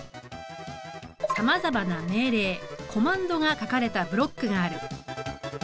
さまざまな命令コマンドが書かれたブロックがある。